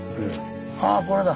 はあこれだ。